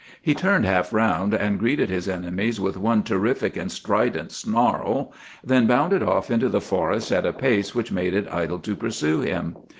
He turned half round, and greeted his enemies with one terrific and strident snarl, then bounded off into the forest at a pace which made it idle to pursue him.